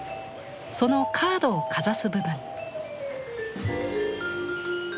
そのカードをかざす部分。